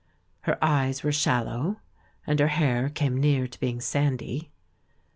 Her eyes were shal low, and her hair came near to being sandy.